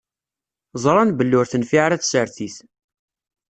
Ẓṛan belli ur tenfiɛ ara tsertit.